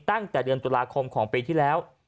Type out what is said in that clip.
ตั้งแต่เดือนตุลาคมของปีที่แล้ว